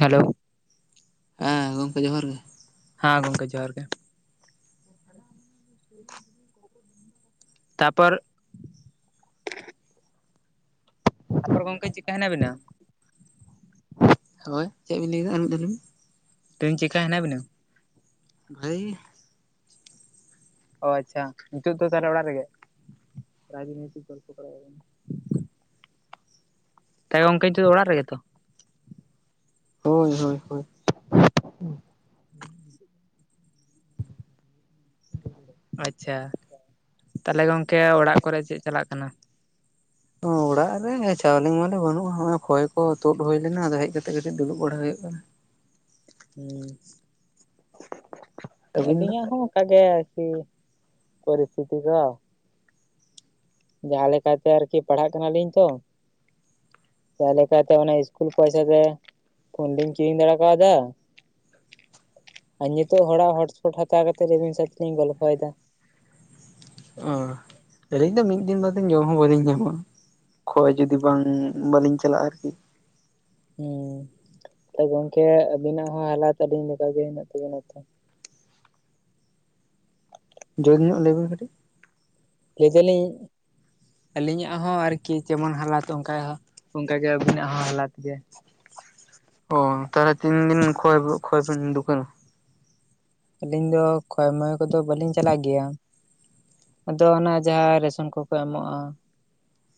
Hello. ᱦᱮᱸ ᱜᱚᱝᱠᱮ ᱡᱚᱦᱟᱨ ᱜᱮ᱾ ᱦᱮᱸ ᱜᱚᱝᱠᱮ ᱡᱚᱦᱟᱨ ᱜᱮ᱾ [inaudible] ᱛᱟᱯᱚᱨ ᱛᱟᱯᱚᱨ ᱜᱚᱢᱠᱮ ᱪᱤᱠᱠᱟ ᱦᱮᱱᱟᱜ ᱵᱤᱱᱟ? ᱦᱳᱭ ᱪᱮᱫ ᱵᱤᱱ ᱞᱟᱹᱭ ᱮᱫᱟ ᱟᱨ ᱢᱤᱫ ᱫᱷᱟ ᱞᱟᱹᱭ ᱵᱤᱱ᱾ ᱛᱮᱦᱮᱧ ᱪᱮᱠᱠᱟ ᱦᱮᱱᱟ ᱵᱤᱱᱟ? ᱵᱷᱟᱹᱜᱤ ᱜᱮ᱾ ᱚ ᱟᱪᱪᱷᱟ ᱱᱤᱛᱚᱜ ᱫᱚ ᱛᱟᱦᱚᱞᱮ ᱚᱲᱟᱜ ᱨᱮᱜᱮ ᱨᱟᱡᱽᱱᱳᱭᱛᱤᱠ ᱜᱚᱞᱯᱚ ᱠᱚᱨ ᱛᱟ ᱜᱚᱝᱠᱮ ᱱᱤᱛᱳᱜ ᱫᱚ ᱚᱲᱟᱜ ᱨᱮᱜᱮ ᱛᱚ? ᱦᱳᱭ ᱦᱳᱭ ᱦᱳᱭ᱾ ᱟᱪᱪᱷᱟ ᱛᱟᱦᱚᱞᱮ ᱜᱚᱝᱠᱮ ᱚᱲᱟᱜ ᱠᱚᱨᱮ ᱪᱮᱜ ᱪᱟᱞᱟᱜ ᱠᱟᱱᱟ? ᱚᱲᱟᱜ ᱨᱮ ᱪᱟᱣᱞᱮ ᱢᱟᱣᱞᱮ ᱵᱟᱹᱱᱩᱜᱼᱟ ᱦᱚᱲ ᱠᱷᱚᱭ ᱠᱚ ᱛᱩᱫ ᱦᱩᱭ ᱞᱮᱱᱟ ᱟᱫᱚ ᱦᱮᱡ ᱠᱟᱛᱮᱜ ᱠᱟᱹᱴᱤᱡ ᱫᱩᱲᱩᱵ ᱵᱟᱲᱟ ᱦᱩᱭᱩᱜ ᱠᱟᱱᱟ᱾ ᱦᱩᱸ ᱟᱹᱵᱤᱱ ᱫᱚ ᱟᱹᱞᱤᱧᱟᱜ ᱦᱚᱸ ᱠᱟ ᱜᱮ ᱟᱨᱠᱤ ᱯᱚᱨᱤᱥᱛᱷᱛᱤ ᱠᱚ᱾ ᱡᱟᱦᱟᱸ ᱞᱮᱠᱟᱛᱮ ᱟᱨᱠᱤ ᱯᱟᱲᱦᱟᱜ ᱠᱟᱱᱟᱞᱤᱧ ᱛᱚ᱾ ᱛᱟᱦᱚᱞᱮ ᱠᱷᱟᱡ ᱫᱚ ᱚᱱᱟ ᱤᱥᱠᱩᱞ ᱯᱚᱭᱥᱟ ᱜᱮ᱾ ᱯᱷᱳᱱ ᱞᱤᱧ ᱠᱤᱨᱤᱧ ᱫᱟᱲᱮ ᱠᱟᱣᱫᱟ᱾ ᱟᱨ ᱱᱤᱛᱚᱜ ᱦᱚᱲᱟᱜ ᱦᱚᱴᱥᱯᱚᱴ ᱦᱟᱛᱟᱣ ᱠᱟᱛᱮ ᱨᱟᱵᱤᱱ ᱥᱟᱶ ᱛᱮᱞᱤᱧ ᱜᱚᱞᱯᱷᱚᱭᱮᱫᱟ᱾ ᱚ ᱟᱹᱞᱤᱧ ᱫᱚ ᱢᱤᱫ ᱫᱤᱱ ᱵᱟᱨᱫᱤᱱ ᱡᱚᱢ ᱦᱚᱸ ᱵᱟᱹᱞᱤᱧ ᱧᱟᱢᱟ᱾ ᱠᱷᱚᱭ ᱡᱩᱫᱤ ᱵᱟᱝ ᱵᱟᱞᱤᱧ ᱪᱟᱞᱟᱜᱼᱟ ᱟᱨᱠᱤ᱾ ᱦᱮᱸ ᱛᱚ ᱜᱚᱝᱠᱮ ᱟᱵᱤᱱᱟᱜ ᱦᱚᱸ ᱦᱟᱞᱟᱛ ᱟᱞᱤᱧ ᱞᱮᱠᱟᱜᱮ ᱦᱮᱱᱟᱜ ᱛᱟᱵᱤᱱᱟ ᱛᱚ᱾ ᱡᱳᱨ ᱧᱚᱜ ᱞᱟᱹᱭᱢᱮ ᱠᱟᱴᱤᱡ᱾ ᱞᱟᱹᱭ ᱫᱟᱹᱞᱤᱧ ᱟᱹᱞᱤᱧᱟᱜ ᱦᱚᱸ ᱟᱨᱠᱤ ᱡᱮᱢᱚᱱ ᱦᱟᱞᱟᱛ ᱚᱝᱠᱟ ᱚᱝᱠᱟᱜᱮ ᱟᱵᱤᱱᱟᱜ ᱦᱚᱸ ᱦᱞᱟᱚᱛ ᱜᱮ᱾ ᱚ ᱛᱟᱦᱞᱮ ᱛᱤᱱ ᱫᱤᱱ ᱠᱷᱚ ᱠᱷᱚᱡ ᱵᱤᱱ ᱫᱩᱠᱟᱹᱱᱟ? ᱟᱹᱞᱤᱧ ᱫᱚ ᱠᱷᱚᱭ ᱢᱚᱭ ᱠᱚᱫᱚᱸ ᱵᱟᱹᱞᱤᱧ ᱪᱟᱞᱟᱼᱜ ᱜᱮᱹᱭᱟ᱾ ᱟᱫᱚᱸ ᱚᱱᱟ ᱡᱟᱦᱟᱸ ᱨᱮᱥᱚᱱ ᱠᱚᱠᱚᱸ ᱮᱢᱚᱜᱼᱟ,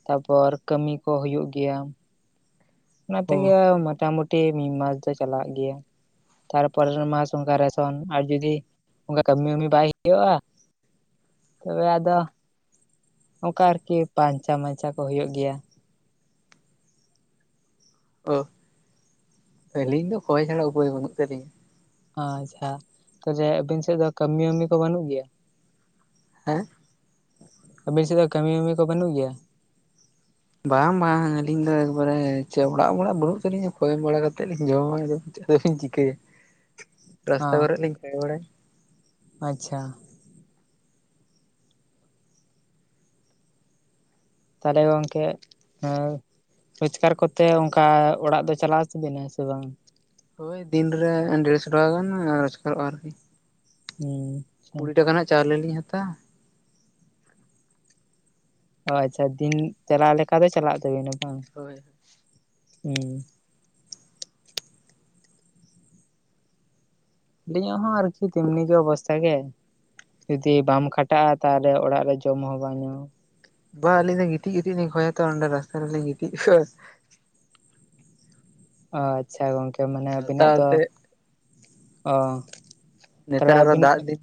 ᱛᱟᱯᱚᱨ ᱠᱟᱹᱟᱢ ᱠᱚᱸ ᱦᱩᱭᱩᱼᱜ ᱜᱮᱹᱭᱟ᱾ ᱚᱱᱟ ᱚ ᱛᱮᱜᱮ ᱢᱳᱚᱴᱟᱢᱩᱴᱤ ᱢᱤᱫ ᱢᱟᱥ ᱫᱚ ᱪᱟᱞᱟᱜ ᱜᱮᱹᱭᱟ᱾ ᱛᱟᱹᱨᱯᱚᱨᱮᱨ ᱢᱟᱥ ᱚᱝᱠᱟᱹ ᱨᱮᱥᱚᱱ ᱟᱨ ᱡᱩᱫᱤ ᱚᱝᱠᱟ ᱠᱟᱹᱢᱤ ᱢᱟᱢᱤ ᱵᱟᱭ ᱦᱩᱭᱩᱜᱼᱟ ᱛᱚᱵᱮ ᱟᱫᱚ ᱚᱝᱠᱟ ᱟᱨᱠᱤ ᱯᱟᱧᱪᱟ ᱢᱟᱹᱧᱪᱟ ᱠᱚ ᱦᱩᱭᱩᱜ ᱜᱮᱹᱭᱟ᱾ ᱚ, ᱟᱹᱞᱤᱧ ᱫᱚ ᱠᱷᱚᱭᱸ ᱪᱷᱟᱲᱟ ᱩᱯᱟᱹᱭ ᱵᱟᱹᱱᱩᱜ ᱛᱟᱹᱞᱤᱧᱟ᱾ ᱟᱪᱪᱷᱟ ᱛᱚᱵᱮ ᱟᱸᱵᱤᱱ ᱥᱮᱫ ᱫᱚ ᱠᱟᱹᱢᱤ ᱢᱟᱢᱤ ᱠᱚᱫᱚ ᱵᱟᱹᱱᱩᱜ ᱜᱮᱹᱭᱟ? ᱦᱮᱸ? ᱟᱹᱵᱤᱱ ᱥᱮᱫ ᱫᱚ ᱠᱟᱹᱢᱤ ᱢᱟᱢᱤ ᱠᱚᱫᱚ ᱵᱟᱹᱱᱩᱜ ᱜᱮᱹᱭᱟ? ᱵᱟᱝ ᱵᱟᱝ ᱟᱹᱞᱤᱧ ᱫᱚ ᱮᱠᱵᱟᱹᱨᱮ ᱪᱮᱫ ᱚᱲᱟᱜ ᱚᱲᱟᱜ ᱵᱟᱹᱱᱩᱜ ᱛᱟᱹᱟᱞᱤᱧᱟ ᱠᱷᱚᱭ ᱵᱟᱲᱟ ᱠᱟᱹᱛᱮᱫ ᱞᱤᱧ ᱡᱚᱢᱟ ᱟᱫᱚ᱾ ᱪᱤᱠᱟᱛᱤᱧ ᱪᱤᱠᱟᱹᱭᱟ ᱨᱟᱥᱛᱟ ᱠᱚᱨᱮᱹ ᱞᱤᱧ ᱠᱟᱹᱢᱤ ᱵᱟᱹᱲᱟᱭᱟ᱾ ᱟᱪᱷᱟ᱾ ᱛᱟᱦᱚᱸᱞᱮ ᱜᱚᱝᱹᱠᱮ ᱦᱮᱸ ᱨᱳᱡᱜᱟᱨ ᱠᱚᱛᱮ ᱚᱝᱠᱟ ᱚᱲᱟᱼᱜ ᱫᱚ ᱪᱟᱞᱟᱹᱣ ᱚᱪᱚᱸᱵᱤᱱᱟ ᱥᱮ ᱵᱟᱝ? ᱦᱳᱭᱸ ᱫᱤᱱᱹᱨᱮ ᱰᱮᱲᱥᱚ ᱴᱟᱠᱟᱹ ᱜᱟᱱ ᱨᱳᱡᱽᱜᱟᱨᱚᱜᱼᱟ ᱟᱨᱠᱤ᱾ ᱦᱩᱸ᱾ ᱠᱩᱲᱤ ᱴᱟᱠᱟ ᱨᱮᱱᱟᱜ ᱪᱟᱣᱞᱮ ᱞᱤᱧ ᱦᱟᱛᱟᱣᱟ ᱚ ᱟᱪᱷᱟ ᱫᱤᱱ ᱪᱟᱞᱟᱹᱣ ᱞᱮᱠᱟ ᱫᱚ ᱪᱟᱞᱟᱼᱜ ᱛᱟᱵᱤᱱᱟ ᱵᱟᱝ ᱦᱳᱭ ᱦᱩᱸ᱾ ᱟᱸᱞᱤᱧᱟᱜ ᱦᱚᱸ ᱟᱨᱹᱠᱤ ᱛᱮᱢᱱᱤ ᱜᱮ ᱚᱵᱚᱥᱛᱟ ᱜᱮ, ᱡᱩᱫᱤ ᱵᱟᱢ ᱠᱷᱟᱴᱟᱜᱼᱟ ᱛᱟᱦᱚᱸᱞᱮ ᱚᱲᱟᱜ ᱨᱮ ᱡᱚᱢ ᱦᱚᱸ ᱵᱟᱝᱢ ᱧᱟᱢᱟ᱾ ᱵᱟ ᱟᱹᱞᱤᱧ ᱫᱚ ᱜᱤᱛᱤᱡ ᱜᱤᱛᱤᱡ ᱞᱤᱧ ᱠᱷᱚᱭ ᱟᱛᱚ ᱚᱸᱰᱮ ᱨᱟᱥᱛᱟ ᱨᱮᱹᱞᱤᱧ ᱜᱤᱛᱤᱡ ᱠᱚᱣᱟ᱾ ᱚ ᱟᱪᱪᱷᱟ ᱜᱚᱝᱠᱮ ᱢᱟᱱᱮ ᱪᱷᱟᱛᱟ ᱟᱵᱤᱱᱟᱜ ᱫᱚ ᱟᱛᱮᱫ ᱚ ᱛᱟᱦᱞᱮ ᱱᱮᱛᱟᱨ ᱟᱨᱚ ᱟᱹᱵᱤᱱᱟᱜ ᱫᱟᱜ ᱫᱤᱱ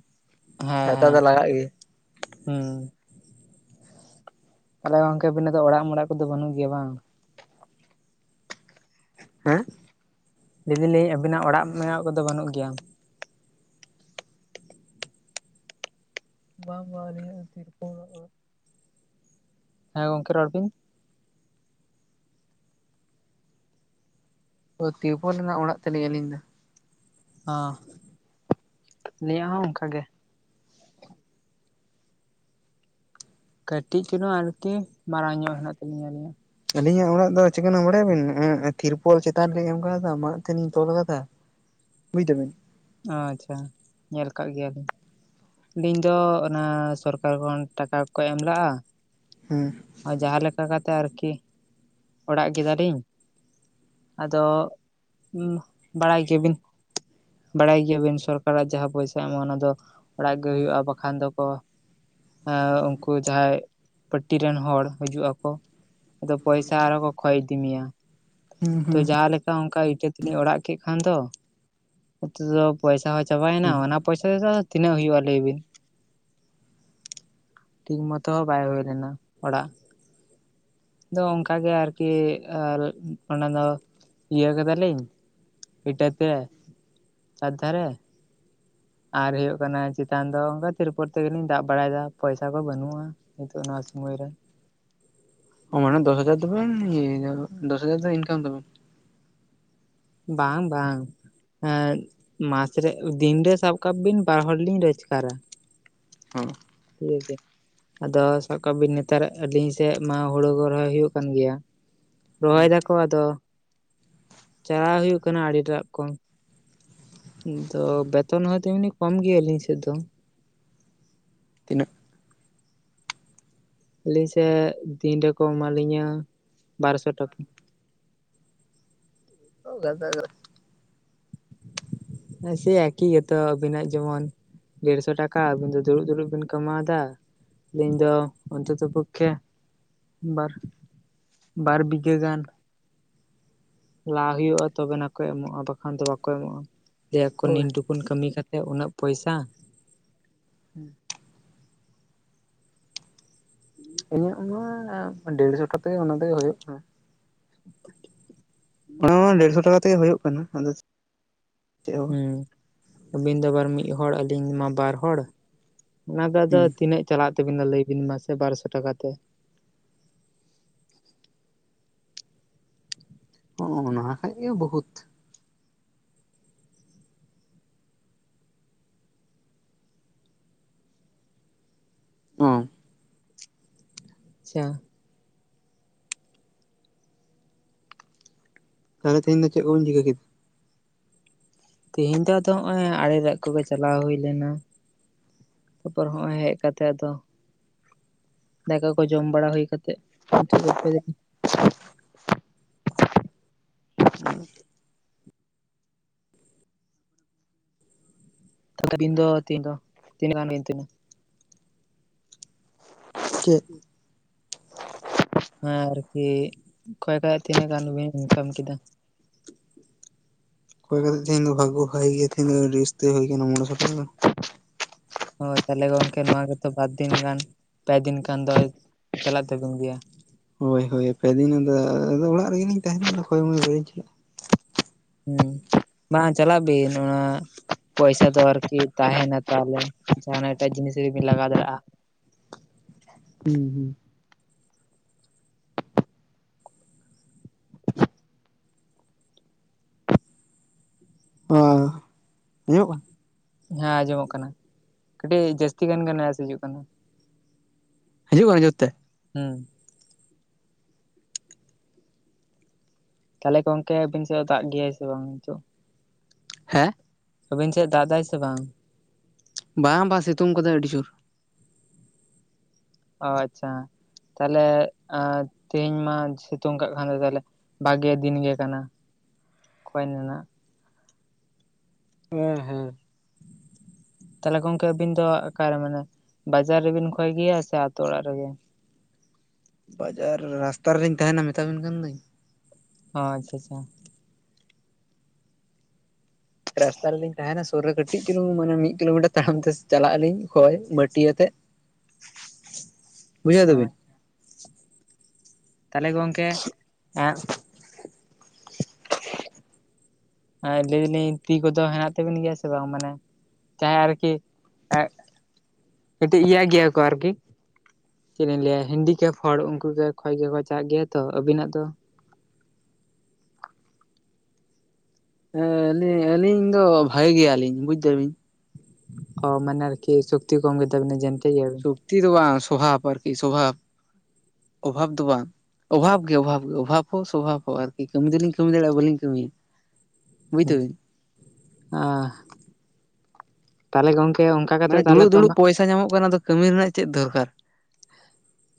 ᱦᱮᱸ ᱪᱷᱟᱛᱟ ᱦᱮᱸ ᱫᱚ ᱞᱟᱜᱟᱜ ᱜᱮᱭᱟ ᱦᱩᱸ᱾ ᱛᱟᱦᱞᱮ ᱜᱚᱝᱠᱮ ᱟᱵᱤᱱᱟᱜ ᱫᱚ ᱚᱲᱟᱜ ᱢᱲᱟᱜ ᱠᱚᱫᱚ ᱵᱟᱹᱱᱩᱜ ᱜᱮᱹᱭᱟ ᱵᱟᱝ? ᱦᱮᱸ ᱞᱟᱹᱭ ᱫᱟᱞᱤᱧ ᱟᱵᱤᱱᱟᱜ ᱚᱲᱟᱜ ᱢᱮᱱᱟᱜ ᱠᱚᱫᱚ ᱵᱟᱱᱩᱜ ᱜᱮᱭᱟ? ᱵᱟᱝ ᱵᱟᱝ ᱟᱞᱤᱧᱟᱜ ᱥᱮᱨᱚᱠᱚᱢ ᱚᱲᱟᱜ ᱦᱮᱸ ᱜᱚᱝᱠᱮ ᱨᱚᱲ ᱵᱤᱱ᱾ ᱛᱤᱨᱯᱚᱞ ᱨᱮᱹᱱᱟᱜ ᱚᱲᱟᱜ ᱛᱟᱞᱤᱧ ᱟᱹᱞᱤᱧ ᱫᱚ᱾ ᱦᱟᱸ ᱟᱞᱤᱧᱟᱜ ᱦᱚᱸ ᱚᱝᱠᱟ ᱜᱮ᱾ ᱠᱟᱹᱴᱤᱡ ᱪᱩᱞᱤᱝ ᱟᱨᱹᱠᱤ ᱢᱟᱨᱟᱝ ᱧᱚᱜ ᱦᱮᱸᱱᱟᱜ ᱛᱟᱞᱤᱧ ᱟᱞᱤᱧᱟᱜ᱾ ᱟᱹᱞᱤᱧᱟᱜ ᱚᱲᱟᱜ ᱫᱚ ᱪᱤᱠᱟᱱᱟᱜ ᱵᱟᱲᱟᱭᱟᱵᱤᱱ ᱱᱟᱜᱟᱭ ᱛᱤᱨᱯᱚᱞ ᱪᱮᱛᱟᱱ ᱨᱮ ᱞᱤᱧ ᱮᱢ ᱠᱟᱣᱫᱟ ᱢᱟᱫ ᱛᱮᱞᱤᱧ ᱛᱚᱞ ᱠᱟᱫᱟ, ᱵᱩᱡ ᱫᱟᱵᱤᱱ? ᱟᱪᱷᱟ ᱧᱮᱞ ᱠᱟᱜ ᱜᱮᱭᱟᱹᱞᱤᱧ᱾ ᱟᱞᱤᱧ ᱫᱚ ᱚᱱᱟ ᱥᱚᱨᱠᱟᱨ ᱠᱷᱚᱱ ᱴᱟᱠᱟ ᱠᱚ ᱮᱢ ᱞᱟᱜᱼᱟ, ᱦᱩᱸ᱾ ᱟᱨ ᱡᱟᱦᱟᱸ ᱞᱮᱠᱟ ᱠᱟᱛᱮᱜ ᱟᱨᱠᱤ ᱚᱲᱟᱜ ᱠᱮᱫᱟᱞᱤᱧ ᱟᱫᱚ ᱵᱟᱲᱟᱭ ᱜᱮᱭᱟ ᱵᱤᱱ? ᱵᱟᱹᱲᱟᱭ ᱜᱮᱭᱟᱵᱤᱱ ᱥᱚᱨᱠᱟᱨᱟᱜ ᱡᱟᱦᱟᱸ ᱯᱚᱭᱥᱟ ᱮᱢᱟ ᱚᱱᱟ ᱫᱚ ᱚᱲᱟᱜ ᱜᱮ ᱦᱩᱭᱩᱜᱼᱟᱹ ᱵᱟᱹᱠᱷᱟᱡ ᱫᱚᱠᱚ ᱮᱸ ᱩᱝᱠᱩ ᱡᱟᱦᱟᱸᱭ ᱯᱟᱹᱴᱤ ᱨᱮᱱ ᱦᱚᱲ ᱦᱤᱡᱩᱜ ᱟᱠᱚ ᱟᱫᱚ ᱯᱚᱭ ᱛᱟ ᱟᱨᱦᱚ ᱠᱚ ᱠᱷᱚᱭ ᱤᱫᱤ ᱢᱮᱭᱟᱹ᱾ ᱦᱩᱸ ᱛᱚ ᱦᱩᱸ ᱡᱟᱦᱟᱸ ᱞᱮᱠ ᱠᱟ ᱚᱱᱠᱟ ᱤᱴᱟᱹ ᱛᱮᱞᱤᱧ ᱚᱲᱟᱼᱜ ᱠᱮᱫ ᱠᱷᱟᱱ ᱫᱚ᱾ ᱱᱤᱛᱚᱜ ᱫᱚ ᱯᱚᱭᱥᱟᱹ ᱦᱚᱸ ᱪᱟᱵᱟᱭᱱᱼᱟ ᱦᱩᱸ ᱚᱱᱟᱹ ᱚᱱᱟ ᱯᱚᱭᱥᱟᱹ ᱛᱮᱫᱚ ᱟᱫᱚ ᱛᱤᱱᱟᱹᱜ ᱦᱩᱭᱩᱜᱼᱟᱹ ᱞᱟᱹᱭ ᱵᱤᱱᱹ᱾ ᱴᱷᱤᱠ ᱢᱚᱛᱚ ᱦᱚᱸ ᱵᱟᱭ ᱦᱩᱭ ᱞᱮᱱᱟᱹ ᱚᱲᱟᱼᱜ᱾ ᱟᱫᱚ ᱟᱚᱱᱠᱟ ᱠᱟᱜ ᱜᱮ ᱟᱨᱹᱠᱤ ᱟ ᱚᱱᱟᱹ ᱫᱚ ᱤᱭᱟᱹ ᱠᱟᱫᱟᱞᱤᱧ᱾ ᱤᱴᱟᱹᱛᱮ ᱪᱟᱨ ᱫᱷᱟᱨᱮ᱾ ᱟᱨ ᱦᱩᱭᱩᱼᱜ ᱠᱟᱱᱟ ᱪᱮᱛᱟᱱ ᱫᱚ ᱚᱱᱠᱟ ᱛᱤᱨᱯᱚᱨ ᱛᱮᱜᱮᱹᱞᱤᱧ ᱫᱟᱵ ᱵᱟᱹᱲᱟᱭᱮᱫᱟ, ᱯᱚᱭᱥᱟᱹ ᱠᱚ ᱵᱟᱹᱱᱩᱜᱼᱟᱹ᱾ ᱱᱤᱛᱚᱜᱹ ᱱᱚᱹᱣᱟ ᱥᱳᱢᱚᱭ ᱨᱮᱹ᱾ ᱚ ᱢᱟᱱᱮ ᱫᱚᱥ ᱦᱟᱡᱟᱨ ᱫᱚᱵᱮᱱ ᱤᱭᱟᱹᱭᱫᱟ, ᱫᱚᱥ ᱦᱟᱡᱟᱨ ᱫᱚ ᱤᱱᱠᱟᱢ ᱫᱟᱵᱮᱱ? ᱵᱟᱝ ᱵᱟᱝ᱾ ᱮᱸᱜ ᱢᱟᱥ ᱨᱮ, ᱫᱤᱱ ᱨᱮ ᱥᱟᱵ ᱠᱟᱜ ᱵᱤᱱ ᱵᱟᱨ ᱦᱚᱲ ᱞᱤᱧ ᱨᱚᱡᱽᱜᱟᱨᱟ᱾ ᱦᱮᱸ᱾ ᱴᱷᱤᱠ ᱟᱪᱷᱮ᱾ ᱟᱫᱚ ᱥᱟᱵ ᱠᱟᱜ ᱵᱤᱱ ᱱᱮᱛᱟᱨᱟᱜ ᱟᱹᱞᱤᱧ ᱥᱮᱫ ᱢᱟ ᱦᱩᱲᱩ ᱠᱚ ᱨᱚᱦᱚᱭ ᱦᱩᱭᱩᱜ ᱠᱟᱱ ᱜᱮᱭᱟ᱾ ᱨᱚᱦᱚᱭ ᱫᱟᱠᱚ ᱟᱫᱚ ᱪᱟᱞᱟᱣ ᱦᱩᱭᱩᱜ ᱠᱟᱱᱟ ᱟᱹᱲᱤᱴᱟᱜ ᱠᱚ᱾ ᱫᱚ ᱵᱮᱛᱚᱱ ᱦᱚᱸ ᱛᱮᱢᱱᱤ ᱠᱚᱢ ᱜᱮᱭᱟ ᱟᱹᱞᱤᱧ ᱥᱮᱫ ᱫᱚ᱾ ᱛᱤᱱᱟᱹᱜ? ᱟᱹᱞᱤᱧ ᱥᱮᱜ ᱫᱤᱱ ᱨᱮᱠᱚ ᱮᱢᱟᱞᱤᱧᱟ ᱵᱟᱨ ᱥᱚ ᱴᱟᱠᱟ᱾ ᱳ ᱜᱟᱫᱟ ᱜᱟᱫᱟ᱾ ᱦᱮᱸ ᱥᱮᱭ ᱮᱠᱤ ᱜᱮᱛᱚ ᱟᱵᱤᱱᱟᱜ ᱡᱮᱢᱚᱱ ᱰᱮᱲᱥᱚ ᱴᱟᱠᱟ ᱟᱵᱤᱱ ᱫᱚ ᱫᱩᱲᱩᱵ ᱫᱩᱲᱩᱵ ᱵᱤᱱ ᱠᱟᱢᱟᱣ ᱫᱟ᱾ ᱟᱹᱞᱤᱧ ᱫᱚ ᱚᱱᱛᱚᱛᱚ ᱯᱚᱠᱠᱷᱮ ᱵᱟᱨ ᱵᱟᱨ ᱵᱤᱜᱷᱟᱹ ᱜᱟᱱ᱾ ᱞᱟ ᱦᱩᱭᱩᱜᱼᱟ ᱛᱚᱵᱮᱱᱟ ᱠᱚ ᱮᱢᱚᱜᱼᱟ᱾ ᱵᱟᱠᱷᱟᱱ ᱫᱚ ᱵᱟᱠᱚ ᱮᱢᱚᱜᱼᱟ᱾ ᱞᱟᱹᱭᱟ ᱠᱚ ᱱᱤᱱ ᱦᱳᱭ ᱴᱩ ᱠᱩᱱ ᱠᱟᱹᱢᱤ ᱠᱟᱛᱮᱫ ᱩᱱᱟᱹᱜ ᱯᱚᱭᱥᱟ᱾ ᱦᱩᱸ᱾ [inaudible] ᱤᱧᱟᱹᱜ ᱢᱟ ᱰᱮᱲᱥᱚ ᱠᱟᱛᱮᱜ ᱚᱱᱟ ᱛᱮᱜᱮ ᱦᱳᱭᱳᱜ ᱠᱟᱱᱟ᱾ ᱚᱱᱟᱦᱚᱸ ᱰᱮᱲᱥᱚ ᱴᱟᱠᱟ ᱠᱟᱛᱮᱜᱮ ᱦᱳᱭᱳᱜ ᱠᱟᱱᱟ ᱟᱫᱚ ᱪᱮᱫ? ᱦᱚᱸ ᱦᱩᱸ ᱟᱹᱵᱤᱱ ᱫᱚ ᱟᱵᱟᱨ ᱢᱤᱫ ᱦᱚᱲ᱾ ᱟᱹᱞᱤᱧ ᱫᱚᱢᱟ ᱵᱟᱨ ᱦᱚᱲ᱾ ᱚᱱᱟ ᱫᱚ ᱟᱫᱚ ᱵᱟᱝ ᱛᱤᱱᱟᱹᱜ ᱪᱟᱞᱟᱜ ᱛᱟᱹᱵᱤᱱᱟ ᱞᱟᱹᱭ ᱵᱤᱱ ᱢᱟᱥᱮ ᱵᱟᱨᱚᱥᱚ ᱴᱟᱠᱟ ᱛᱮ᱾ ᱚ ᱚᱱᱟ ᱠᱷᱟᱡ ᱜᱮ ᱵᱚᱦᱩᱛ᱾ ᱚ᱾ ᱟᱪᱪᱷᱟ᱾ ᱛᱟᱦᱞᱮ ᱛᱤᱦᱤᱧ ᱫᱚ ᱪᱮᱫ ᱠᱚ ᱵᱤᱱ ᱪᱤᱠᱟᱹ ᱠᱮᱫᱟ? ᱛᱤᱦᱤᱧ ᱫᱚ ᱟᱫᱚ ᱦᱚᱸᱜ-ᱚᱭ ᱟᱲᱮ ᱨᱮᱡ ᱠᱚᱜᱮ ᱪᱟᱞᱟᱣ ᱦᱩᱭ ᱞᱮᱱᱟ᱾ ᱛᱟᱯᱚᱨ ᱦᱚᱸᱜ-ᱚᱭ ᱦᱮᱡ ᱠᱟᱛᱮ ᱟᱫᱚ ᱫᱟᱠᱟ ᱠᱚ ᱡᱚᱢ ᱵᱟᱲᱟ ᱦᱩᱭ ᱠᱟᱛᱮᱫ ᱱᱤᱛᱚᱜ ᱜᱚᱞᱯᱚᱣ ᱫᱟᱞᱤᱧ᱾ ᱟᱵᱤᱱ ᱫᱚ ᱛᱤᱱ ᱫᱚ ᱛᱤᱱᱟᱹᱜ ᱜᱟᱱ ᱵᱤᱱ [unintelligible] ᱪᱮᱫ? [inaudible] ᱦᱮᱸ ᱟᱨᱠᱤ ᱚᱠᱚᱭ ᱚᱠᱚᱭᱟᱜ ᱛᱤᱱᱟᱹᱜ ᱜᱟᱱ ᱵᱤᱱ ᱤᱱᱠᱟᱢ ᱠᱮᱫᱟ? ᱦᱳᱭ ᱠᱟᱛᱮ ᱛᱤᱦᱤᱧ ᱫᱚ ᱵᱷᱟᱜᱜᱳ ᱵᱷᱟᱜᱮ ᱜᱮᱭᱟ ᱛᱮᱦᱤᱧ ᱫᱚ ᱟᱹᱰᱤ ᱩᱥᱛᱟᱹᱭ ᱦᱩᱭ ᱠᱟᱱᱟ, ᱢᱚᱲᱮ ᱥᱚ ᱴᱟᱠᱟ ᱜᱟᱱ᱾ ᱦᱳᱭ ᱛᱟᱦᱞᱮ ᱜᱚᱝᱠᱮ ᱱᱚᱣᱟ ᱜᱮᱛᱚ ᱵᱟᱨ ᱫᱤᱱ ᱜᱟᱱ ᱯᱮ ᱫᱤᱱ ᱜᱟᱱ ᱫᱚᱭ ᱪᱟᱞᱟᱜ ᱛᱟᱵᱤᱱ ᱜᱮᱭᱟ᱾ ᱦᱳᱭ ᱦᱳᱭ ᱯᱮᱫᱤᱱ ᱟᱫᱚ ᱟᱫᱚ ᱚᱲᱟᱜ ᱨᱮᱜᱮᱞᱤᱧ ᱛᱟᱦᱮᱱᱟ ᱟᱫᱚ ᱠᱷᱚᱭ-ᱢᱚᱭ ᱵᱟᱹᱧ ᱪᱟᱞᱟᱜᱼᱟ᱾ ᱦᱩᱸ ᱵᱟᱝ ᱪᱟᱞᱟᱜ ᱵᱤᱱ ᱚᱱᱟ ᱯᱚᱭᱥᱟ ᱫᱚ ᱟᱨᱠᱤ ᱛᱟᱦᱮᱱᱟ ᱛᱟᱦᱞᱮ ᱡᱟᱦᱟᱸᱱᱟᱜ ᱮᱴᱟᱜ ᱡᱤᱱᱤᱥ ᱨᱮᱵᱤᱱ ᱞᱟᱜᱟᱣ ᱫᱟᱲᱮᱜᱼᱟ ᱾ ᱦᱩᱸ ᱦᱩᱸ ᱟᱸ ᱟᱸᱡᱚᱢᱚᱜ [unintelligible] ᱦᱮᱸ ᱟᱸᱡᱚᱢᱚᱜ ᱠᱟᱱᱟ ᱠᱟᱹᱴᱤᱡ ᱡᱟᱹᱥᱛᱤ ᱜᱟᱱ ᱜᱟᱱ ᱜᱮ ᱱᱚᱭᱮᱥ ᱦᱤᱡᱩᱜ ᱠᱟᱱᱟ ᱾ ᱦᱤᱡᱩᱜ ᱠᱟᱱᱟ ᱡᱳᱨ ᱛᱮ? ᱦᱩᱸ ᱾ ᱛᱟᱦᱞᱮ ᱜᱚᱝᱠᱮ ᱟᱵᱤᱱ ᱥᱮᱜ ᱫᱟᱜ ᱜᱮᱭᱟᱭ ᱥᱮ ᱵᱟᱝ ᱱᱤᱛᱚᱜ? ᱦᱮᱸ ᱾ ᱟᱹᱵᱤᱱ ᱥᱮᱫ ᱫᱟᱜ ᱫᱟᱭ ᱥᱮ ᱵᱟᱝ? ᱵᱟᱝ ᱵᱟᱝ ᱥᱤᱛᱩᱝ ᱠᱟᱫᱟᱭ ᱟᱹᱰᱤ ᱡᱳᱨ ᱾ ᱚ ᱟᱪᱪᱷᱟ ᱛᱟᱦᱞᱮ ᱛᱮᱦᱤᱧ ᱢᱟ ᱥᱤᱛᱩᱝ ᱠᱟᱜ ᱠᱷᱟᱱ ᱫᱚ ᱛᱟᱦᱞᱮ ᱵᱷᱟᱜᱮ ᱫᱤᱱᱜᱮ ᱠᱟᱱᱟ ᱠᱷᱚᱭ ᱨᱮᱱᱟᱜ ᱾ [unintelligible] ᱛᱟᱦᱚᱞᱮ ᱜᱚᱝᱠᱮ ᱟᱵᱤᱱ ᱫᱚ ᱚᱠᱟᱨᱮ ᱢᱟᱱᱮ ᱵᱟᱡᱟᱨ ᱨᱮᱵᱤᱱ ᱠᱷᱚᱭ ᱜᱮᱭᱟ ᱥᱮ ᱟᱛᱳ ᱚᱲᱟᱜ ᱨᱮᱜᱮ? ᱵᱟᱡᱟᱨ ᱨᱟᱥᱛᱟᱨ ᱨᱮᱞᱤᱧ ᱛᱟᱦᱮᱱᱟ ᱢᱮᱛᱟᱵᱤᱱ ᱠᱟᱱ ᱫᱚᱹᱧ ᱾ ᱚ ᱟᱪᱪᱷᱟ ᱟᱪᱪᱷᱟ ᱾ ᱨᱟᱥᱛᱟ ᱨᱮᱞᱤᱧ ᱛᱟᱦᱮᱱᱟ ᱥᱩᱨ ᱨᱮ ᱠᱟᱹᱴᱤᱡ ᱠᱟᱴᱤᱡ ᱪᱩᱞᱩᱝ ᱢᱟᱱᱮ ᱢᱤᱫ ᱠᱤᱞᱳᱢᱤᱴᱟᱨ ᱛᱟᱲᱟᱢ ᱛᱮ ᱪᱟᱞᱟᱜ ᱟᱹᱞᱤᱧ ᱠᱷᱭ ᱵᱟᱹᱴᱤ ᱟᱛᱮᱫ᱾ ᱵᱩᱡᱷᱟᱹᱣ ᱫᱟᱵᱤᱱ [unintelligible] ᱛᱟᱦᱚᱞᱮ ᱜᱚᱝᱠᱮ ᱮᱸ [unintelligible] ᱞᱟᱹᱭ ᱫᱟᱞᱤᱧ ᱛᱤ ᱠᱚᱫᱚ ᱦᱮᱱᱟᱜ ᱛᱟᱵᱮᱱ ᱜᱮᱭᱟ ᱥᱮ ᱵᱟᱝ ᱢᱟᱱᱮ ᱪᱟᱦᱮ ᱟᱨᱠᱤ ᱮ ᱠᱟᱹᱴᱤᱡ ᱤᱭᱟᱹ ᱜᱮᱭᱟ ᱠᱚ ᱟᱨᱠᱤ, ᱪᱮᱫ ᱞᱤᱧ ᱞᱟᱹᱭᱟ ᱦᱮᱱᱰᱤᱠᱮᱯ ᱦᱚᱲ ᱩᱱᱠᱩ ᱜᱮ ᱠᱷᱚᱭ ᱜᱮᱠᱚ ᱪᱟᱜ ᱜᱮᱭᱟ ᱛᱚ ᱟᱵᱤᱱᱟᱜ ᱫᱚ ᱦᱮᱸ ᱟᱹᱞᱤᱧ ᱫᱚ ᱵᱷᱟᱜᱮ ᱜᱮᱭᱟᱞᱤᱧ ᱵᱩᱡ ᱮᱫᱟᱵᱤᱱ ᱾ ᱚ ᱢᱟᱱᱮ ᱟᱨᱠᱤ ᱥᱚᱠᱛᱤ ᱠᱚᱢ ᱜᱮ ᱛᱟᱵᱤᱱᱟ ᱡᱮᱱᱛᱮ ᱜᱮᱭᱟ ᱵᱤᱱ ᱾ ᱥᱚᱠᱛᱤ ᱫᱚ ᱵᱟᱝᱟᱱ ᱥᱚᱵᱷᱟᱵᱽ ᱟᱨᱠᱤ ᱥᱚᱵᱷᱟᱵᱽ ᱚᱵᱷᱟᱵᱽ ᱫᱚ ᱵᱟᱝ ᱾ ᱚᱵᱷᱟᱵᱽ ᱜᱮ ᱚᱵᱷᱟᱵᱽ ᱜᱮ ᱚᱵᱷᱟᱵᱽ ᱦᱚᱸ ᱥᱵᱷᱟᱵ ᱦᱚᱸ ᱟᱨᱠᱤ ᱠᱟᱹᱢᱤ ᱫᱚᱞᱤᱧ ᱠᱟᱹᱢᱤ ᱫᱟᱲᱮᱭᱟᱜᱼᱟ ᱵᱟᱹᱞᱤᱧ ᱠᱟᱹᱢᱤᱭᱟ᱾ ᱵᱩᱡ ᱫᱟᱵᱤᱱ ᱛᱟᱦᱚᱞᱮ ᱜᱚᱝᱠᱮ ᱚᱱᱠᱟ ᱠᱟᱛᱮ ᱢᱟᱱᱮ ᱛᱟᱦᱚᱞᱮ ᱫᱩᱲᱩᱵ ᱠᱚ ᱫᱩᱲᱩᱵ ᱮᱢᱟ ᱯᱚᱭᱥᱟ ᱧᱟᱢᱚᱜ ᱠᱟᱱᱟ ᱚᱱᱟ ᱫᱚ ᱠᱟᱹᱢᱤ ᱨᱮᱱᱟᱜ ᱪᱮᱫ ᱫᱚᱨᱠᱟᱨ ᱾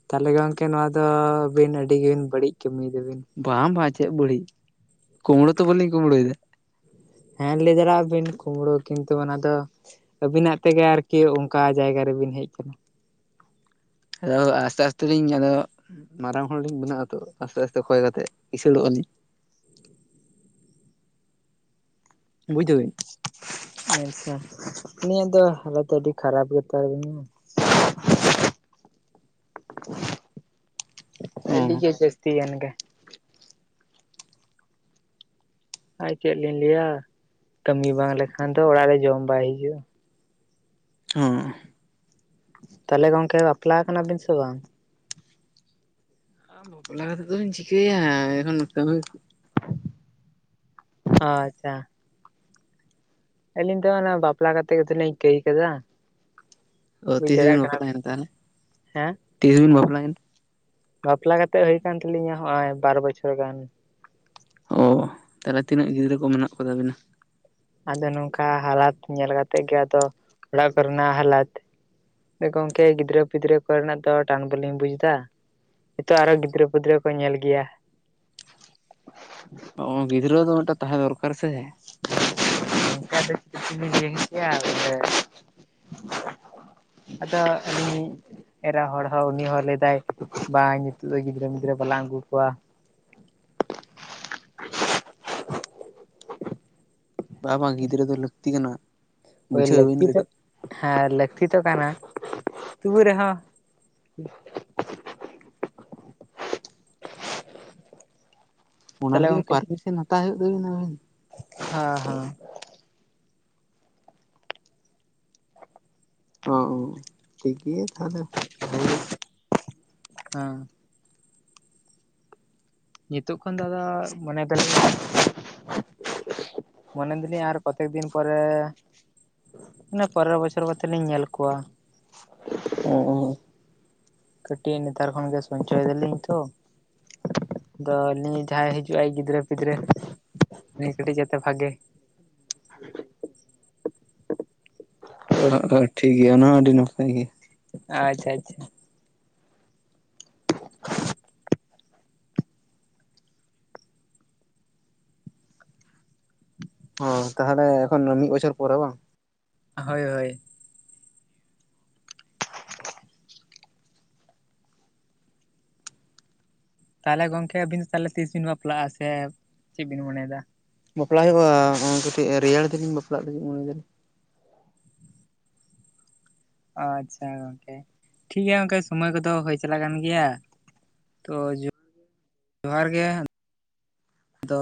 ᱛᱟᱦᱚᱞᱮ ᱜᱚᱝᱠᱮ ᱱᱚᱣᱟ ᱫᱚ ᱟᱹᱵᱤᱱ ᱟᱹᱰᱤᱜᱤᱱ ᱵᱟᱹᱲᱤᱡ ᱠᱟᱹᱢᱤᱭᱮᱫᱟ ᱵᱤᱱ ᱾ ᱵᱟᱝ ᱵᱟᱝ ᱪᱮᱫ ᱵᱟᱹᱲᱤᱡ ᱠᱩᱢᱲᱳ ᱛᱚ ᱵᱟᱹᱞᱤᱧ ᱠᱩᱢᱵᱽᱲᱩᱭᱮᱫᱟ ᱾ ᱦᱮᱸ ᱞᱟᱹᱭ ᱫᱟᱲᱮᱭᱟᱜ ᱵᱤᱱ ᱠᱩᱢᱵᱲᱳ ᱠᱤᱱᱛᱩ ᱚᱱᱟ ᱫᱚ ᱟᱹᱵᱤᱱᱟᱜ ᱛᱮᱜᱮ ᱟᱨᱠᱤ ᱚᱱᱠᱟ ᱡᱟᱭᱜᱟ ᱨᱮᱵᱤᱱ ᱦᱮᱡ ᱟᱠᱟᱱᱟ ᱾ ᱟᱫᱚ ᱟᱥᱛᱮ ᱟᱥᱛᱮ ᱞᱤᱧ ᱟᱫᱚ ᱢᱟᱨᱟᱝ ᱦᱚᱲᱞᱤᱧ ᱵᱮᱱᱟᱜ ᱟᱛᱚ ᱟᱥᱛᱮ ᱟᱥᱛᱮ ᱠᱷᱚᱭ ᱠᱟᱛᱮᱜ ᱠᱤᱥᱟᱹᱲᱚᱜ ᱟᱹᱞᱤᱧ᱾ ᱵᱩᱡ ᱫᱟᱵᱤᱱ ᱾ ᱟᱪᱪᱷᱟ, ᱟᱹᱞᱤᱧᱟᱜ ᱫᱚ ᱦᱟᱞᱚᱛ ᱟᱹᱰᱤ ᱠᱷᱟᱨᱟᱯ ᱜᱮᱛᱟ ᱞᱤᱧᱟ ᱾ [unintelligible] ᱟᱰᱤ ᱜᱮ ᱡᱟᱹᱥᱛᱤᱭᱟᱱ ᱜᱮ ᱟᱨ ᱪᱮᱫ ᱞᱤᱧ ᱞᱟᱹᱭᱟ ᱠᱟᱹᱢᱤ ᱵᱟᱝ ᱞᱮᱠᱷᱟᱱ ᱫᱚ ᱚᱲᱟᱜ ᱨᱮ ᱡᱚᱢ ᱵᱟᱭ ᱦᱤᱡᱩᱜᱼᱟ ᱾ ᱦᱚᱸᱻ ᱛᱟᱦᱚᱞᱮ ᱜᱚᱝᱠᱮ ᱵᱟᱯᱞᱟ ᱠᱟᱱᱟ ᱵᱤᱱ ᱥᱮ ᱵᱟᱝ? ᱵᱟᱯᱞᱟ ᱠᱟᱛᱮ ᱫᱚᱧ ᱪᱤᱠᱟᱹᱭᱟ ᱮᱠᱷᱚᱱ ᱠᱟᱹᱢᱤ ᱚ ᱟᱪᱪᱷᱟ ᱟᱹᱞᱤᱧ ᱫᱚ ᱚᱱᱟ ᱵᱟᱯᱞᱟ ᱠᱟᱛᱮ ᱜᱮᱛᱚ ᱞᱤᱧ ᱠᱟᱹᱭ ᱠᱟᱫᱟ ᱚ ᱦᱩᱭ ᱛᱤᱥ ᱵᱤᱱ ᱫᱟᱲᱮᱭᱟᱜ ᱠᱟᱱᱟ ᱵᱟᱯᱞᱟᱭᱮᱱᱟ ᱛᱟᱦᱚᱞᱮ ᱦᱮᱸ ᱛᱤᱥ ᱵᱤᱱ ᱵᱟᱯᱞᱟᱭᱮᱱᱟ ᱵᱟᱯᱞᱟ ᱠᱟᱛᱮ ᱦᱩᱭ ᱟᱠᱟᱱ ᱛᱟᱞᱤᱧᱟ ᱱᱚᱜᱼ ᱚᱭ ᱵᱟᱨ ᱵᱚᱪᱷᱚᱨ ᱜᱟᱱ ᱚ ᱛᱟᱦᱚᱞᱮ ᱛᱤᱱᱟᱹᱜ ᱜᱤᱫᱽᱨᱟᱹ ᱠᱚ ᱢᱮᱱᱟᱜ ᱠᱚ ᱛᱟᱵᱤᱱᱟ ᱟᱫᱚ ᱱᱚᱝᱠᱟ ᱦᱟᱞᱟᱚᱛ ᱧᱮᱞ ᱠᱟᱛᱮᱫ ᱜᱮ ᱟᱫᱚ ᱚᱲᱟᱜ ᱠᱚᱨᱮᱱᱟᱜ ᱦᱞᱟᱚᱛ ᱜᱚᱝᱠᱮ ᱜᱤᱫᱽᱨᱟᱹ ᱯᱤᱫᱽᱨᱟᱹ ᱠᱚᱨᱮᱱᱟᱜ ᱫᱚ ᱴᱟᱱ ᱵᱟᱞᱤᱧ ᱵᱩᱡ ᱮᱫᱟ ᱱᱤᱛᱚᱜ ᱟᱨᱦᱚ ᱜᱤᱫᱽᱨᱟᱹ ᱯᱤᱫᱽᱨᱟᱹ ᱠᱚ ᱧᱮᱞ ᱜᱮᱭᱟ ᱜᱤᱫᱽᱨᱟᱹ ᱫᱚ ᱢᱤᱫᱴᱮᱱ ᱛᱟᱦᱮᱸ ᱫᱚᱨᱠᱟᱨ ᱥᱮ [unintelligible] ᱟᱫᱚ ᱟᱞᱤᱧ ᱮᱨᱟ ᱦᱚᱲ ᱦᱚᱸ ᱩᱱᱤ ᱦᱚᱸ ᱞᱟᱹᱭᱫᱟᱭ ᱵᱟᱝ ᱱᱤᱛᱚᱜ ᱫᱚ ᱜᱤᱫᱽᱨᱟᱹ ᱯᱤᱫᱽᱨᱟᱹ ᱵᱟᱞᱟᱝ ᱟᱹᱜᱩ ᱠᱚᱣᱟ ᱵᱟᱝ ᱵᱟᱝ ᱜᱤᱫᱽᱨᱟᱹ ᱫᱚ ᱞᱟᱹᱠᱛᱤ ᱠᱟᱱᱟ ᱳᱭ ᱵᱩᱡᱷᱟᱹᱣ ᱵᱤᱱ ᱞᱟᱹᱠᱛᱤ ᱛᱚ ᱠᱟᱹᱴᱤᱡ ᱦᱮᱸ ᱞᱟᱹᱠᱛᱤ ᱫᱚ ᱠᱟᱱᱟ ᱛᱚᱵᱮ ᱨᱮᱦᱚᱸ ᱚᱱᱟ ᱛᱟᱦᱚᱞᱮ ᱞᱟᱹᱜᱤᱫ ᱦᱚᱸ ᱜᱚᱝᱠᱮ ᱯᱟᱨᱢᱤᱥᱮᱱ ᱦᱟᱛᱟᱣ ᱦᱩᱭᱩᱜ ᱛᱟᱹᱵᱤᱱᱟ ᱟᱵᱤᱱ ᱦᱮᱸ ᱦᱮᱸ ᱚ ᱴᱷᱤᱠ ᱜᱮᱭᱟ ᱛᱟᱦᱚᱞᱮ ᱵᱷᱟᱹᱜ ᱜᱮ ᱦᱮᱸ ᱱᱤᱛᱚᱜ ᱠᱷᱚᱱ ᱫᱚ ᱫᱟᱫᱟ ᱢᱚᱱᱮ ᱫᱟᱞᱤᱧ ᱢᱚᱱᱮ ᱫᱟᱤᱧ ᱟᱨ ᱠᱚᱛᱮᱠ ᱫᱤᱱ ᱯᱚᱨᱮ ᱮ ᱯᱚᱱᱮᱨᱚ ᱵᱚᱪᱷᱚᱨ ᱠᱟᱛᱮ ᱞᱤᱧ ᱧᱮᱞ ᱠᱚᱣᱟ᱾ ᱚ ᱠᱟᱹᱴᱤᱡ ᱱᱮᱛᱟᱨ ᱠᱷᱚᱱᱜᱮ ᱥᱚᱧᱪᱚᱭ ᱫᱟᱞᱤᱧ ᱛᱚ᱾ ᱟᱫᱚ ᱱᱤ ᱡᱟᱦᱟᱸᱭ ᱦᱤᱡᱩᱜᱼ ᱟᱭ ᱜᱤᱫᱽᱨᱟᱹ ᱯᱤᱫᱽᱨᱟᱹ ᱩᱱᱤ ᱠᱟᱹᱴᱤᱡ ᱡᱟᱛᱮ ᱵᱷᱟᱜᱮ ᱴᱷᱤᱠ ᱜᱮᱭᱟ ᱚᱱᱟ ᱟᱹᱰᱤ ᱱᱟᱯᱟᱭ ᱜᱮ᱾ ᱟᱪᱪᱷᱟ ᱟᱪᱪᱷᱟ ᱦᱚᱸ ᱛᱟᱦᱚᱞᱮ ᱮᱠᱷᱚᱱ ᱢᱤᱫ ᱵᱚᱪᱷᱚᱨ ᱯᱚᱨᱮ ᱵᱟᱝ ᱦᱳᱭ ᱦᱳᱭ ᱛᱟᱦᱚᱞᱮ ᱜᱚᱢᱠᱮ ᱟᱵᱤᱱ ᱛᱟᱦᱚᱞᱮ ᱛᱤᱥ ᱵᱤᱱ ᱵᱟᱯᱞᱟᱜᱼᱟ ᱥᱮ ᱪᱮᱫ ᱵᱤᱱ ᱢᱚᱱᱮᱭᱮᱫᱟ? ᱵᱟᱯᱞᱟᱜ ᱦᱩᱭᱩᱜᱼᱟ, ᱠᱟᱹᱴᱤᱡ ᱨᱮᱭᱟᱲ ᱫᱤᱱᱤᱧ ᱵᱟᱯᱞᱟᱜ ᱞᱟᱹᱜᱤᱫ ᱢᱚᱱᱮ ᱮᱫᱟ ᱟᱪᱪᱷᱟ ᱜᱚᱢᱠᱮ ᱴᱷᱤᱠ ᱜᱮᱭᱟ ᱜᱚᱢᱠᱮ ᱥᱚᱢᱚᱭ ᱠᱚᱫᱚ ᱦᱳᱭ ᱪᱟᱞᱟᱜ ᱠᱟᱱ ᱜᱮᱭᱟ᱾ ᱛᱚ ᱡᱚᱦᱟᱨ ᱜᱮ ᱫᱚ